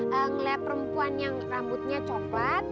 melihat perempuan yang rambutnya cokelat